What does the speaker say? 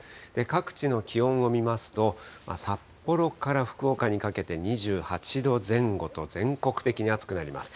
各地の気温を見ますと、札幌から福岡にかけて２８度前後と、全国的に暑くなります。